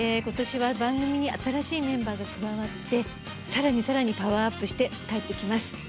今年は番組に新しいメンバーが加わってさらにさらにパワーアップして帰ってきます。